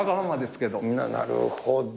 なるほど。